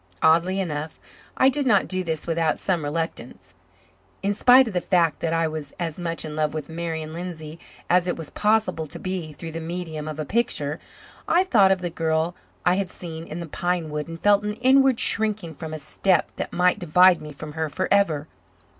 Oddly enough, I did not do this without some reluctance, in spite of the fact that I was as much in love with Marian Lindsay as it was possible to be through the medium of a picture. I thought of the girl I had seen in the pine wood and felt an inward shrinking from a step that might divide me from her forever.